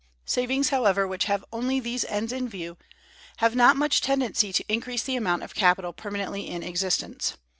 Savings, however, which have only these ends in view, have not much tendency to increase the amount of capital permanently in existence.